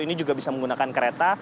ini juga bisa menggunakan kereta